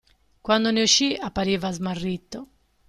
Quando ne uscì appariva smarrito.